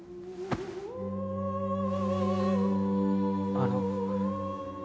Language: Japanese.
あの。